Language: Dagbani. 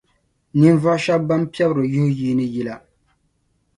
ninvuɣ’ shɛb’ bɛn piɛbiri yuhi yiini yila.